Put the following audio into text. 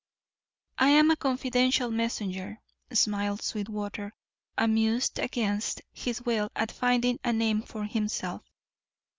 "I am a confidential messenger," smiled Sweetwater, amused against his will at finding a name for himself.